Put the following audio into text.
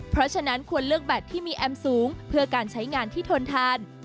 เพราะฉะนั้นควรเลือกแบตที่มีแอมสูงเพื่อการใช้งานที่ทนทาน